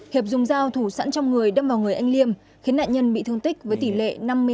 hiệp dùng dao thủ sẵn trong người đâm vào người anh liêm khiến nạn nhân bị thương tích với tỷ lệ năm mươi năm